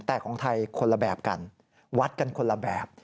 แต่ของไทยคนละแบบกันวัดกันคนละแบบ